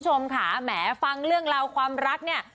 คุณผู้ชมค่ะแหมฟังเรื่องราวความรักเนี่ย